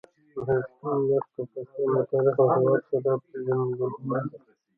نهه ویشتم لوست د پاکستان له تاریخ او هېواد سره پېژندګلوي ده.